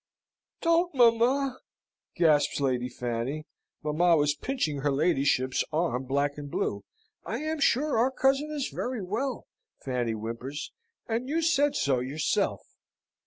"Don't, mamma!" gasps Lady Fanny. Mamma was pinching her ladyship's arm black and blue. "I am sure our cousin is very well," Fanny whimpers, "and you said so yourself."